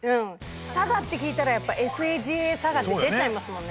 佐賀って聞いたらやっぱ「ＳＡＧＡさが」って出ちゃいますもんね。